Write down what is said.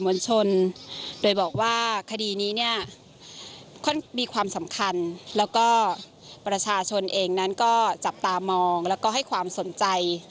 มวลชนโดยบอกว่าคดีนี้เนี่ยค่อนมีความสำคัญแล้วก็ประชาชนเองนั้นก็จับตามองแล้วก็ให้ความสนใจ